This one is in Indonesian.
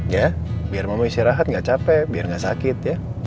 ya biar mama istirahat nggak capek biar nggak sakit ya